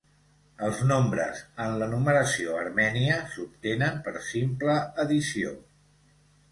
Els nombres en la numeració armènia s'obtenen per simple addició.